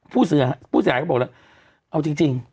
ผู้เสียหายบอกเอาจริง